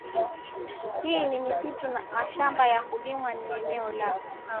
hili ni misitu mashamba ya kulimwa nieneo la